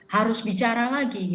harus bicara lagi